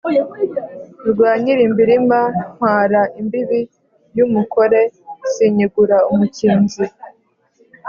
rwa nyilimbirima ntwara imbibi y'umukore, sinyigura umukinzi,